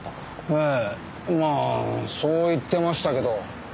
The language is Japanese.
ええまあそう言ってましたけど。